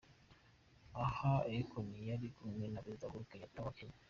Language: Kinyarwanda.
Aha Akon yari kumwe na Perezida Uhuru Kenyatta wa Kenya.